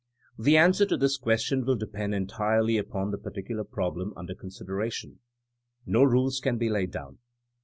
The answer to this question will depend en tirely upon the particular problem under con sideration. No rules can be laid down.